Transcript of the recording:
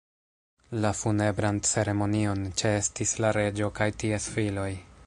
La funebran ceremonion ĉeestis la reĝo kaj ties filoj.